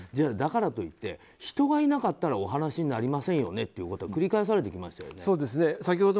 だからといって人がいなかったらお話になりませんよねというのは繰り返されてきましたよね。